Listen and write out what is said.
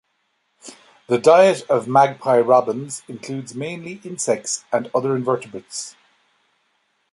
The diet of magpie robins includes mainly insects and other invertebrates.